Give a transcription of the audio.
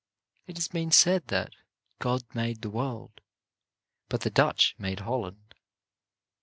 It has been said that, God made the world, but the Dutch made Holland.